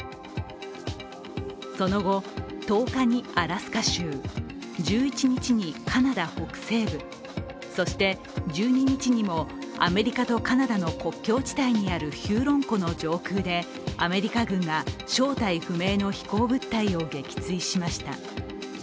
その後、１０日アラスカ州、１１日にカナダ北西部、そして１２日にもアメリカとカナダの国境地帯にあるヒューロン湖の上空でアメリカ軍が正体不明の飛行物体を撃墜しました。